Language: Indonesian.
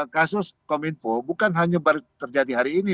kasus kominfo bukan hanya terjadi hari ini